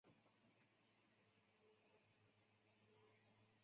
潘公展生于一个绢商家庭。